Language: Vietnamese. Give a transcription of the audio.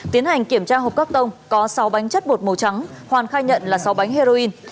tiến hành kiểm tra hộp cắt tông có sáu bánh chất bột màu trắng hoàn khai nhận là sáu bánh heroin